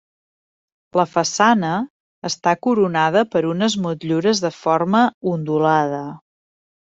La façana està coronada per unes motllures de forma ondulada.